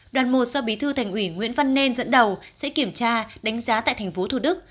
đoàn một do bí thư thành ủy nguyễn văn nên dẫn đầu sẽ kiểm tra đánh giá tại thành phố thủ đức